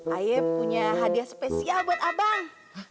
ayep punya hadiah spesial buat abang